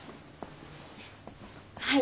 はい。